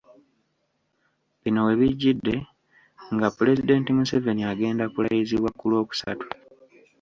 Bino we bijjidde nga Pulezidenti Museveni agenda kulayizibwa ku Lwokusatu.